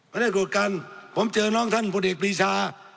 ไม่ได้โกรธกันผมเจอน้องท่านพลเอกปรีชา